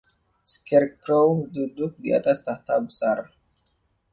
Scarecrow duduk di atas takhta besar.